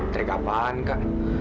trik apaan kak